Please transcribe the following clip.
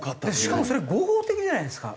しかもそれ合法的じゃないですか。